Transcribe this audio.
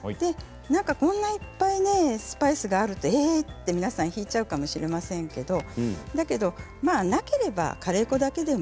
こんなにいっぱいスパイスがあると皆さんええって引いちゃうかもしれませんけれどなければカレー粉だけでも。